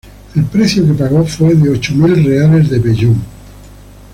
El precio que pagó fue de ocho mil reales de vellón.